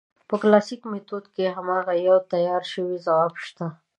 په کلاسیک میتود کې هماغه یو تیار شوی ځواب شته.